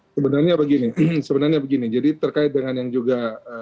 sebenarnya begini jadi terkait dengan yang juga